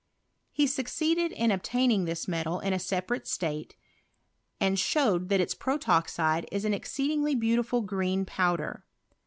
He succeeded in obtaining this metal in a separate state, and showed that its protoxide is an exceedingly beaurifiil green powder.